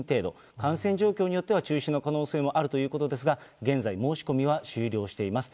感染状況によっては中止の可能性もあるということですが、現在、申し込みは終了しています。